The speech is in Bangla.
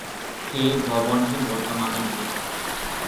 সেই ভবনটি বর্তমানে নেই।